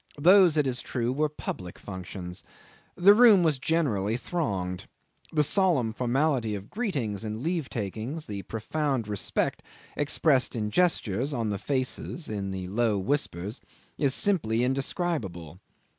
Those, it is true, were public functions. The room was generally thronged. The solemn formality of greetings and leave takings, the profound respect expressed in gestures, on the faces, in the low whispers, is simply indescribable.